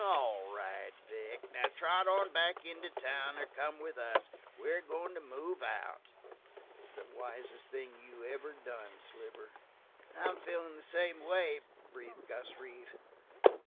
"All right, Vic. Trot back into town, or come with us. We're going to move out." "The wisest thing you ever done, Sliver." "I'm feelin' the same way," breathed Gus Reeve.